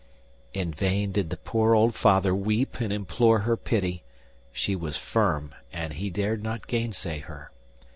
In vain did the poor old father weep and implore her pity; she was firm, and he dared not gainsay her.